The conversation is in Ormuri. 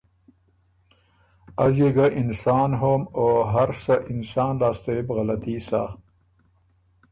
از يې ګه انسان هوم او هر سۀ اِنسان لاسته يې بو غلطي سۀ۔